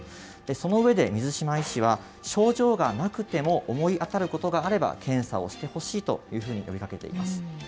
その上で水島医師は、症状がなくても、思い当たることがあれば、検査をしてほしいというふうに呼びかけています。